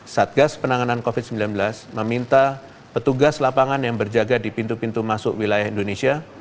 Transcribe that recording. satgas penanganan covid sembilan belas meminta petugas lapangan yang berjaga di pintu pintu masuk wilayah indonesia